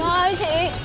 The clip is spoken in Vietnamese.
chị ơi chị